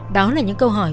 đó là những câu hỏi